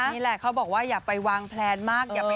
นี่แหละเขาบอกว่าอย่าไปวางแพลนมาก